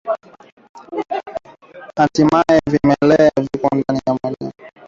Hatimaye vimelea vya ugonjwa wa majimoyo hupelekwa kwa mnyama mwingine